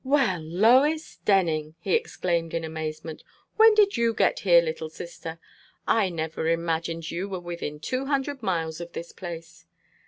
"Well, Lois Denning!" he exclaimed in amazement. "When did you get here, little sister? I never imagined you were within two hundred miles of this place."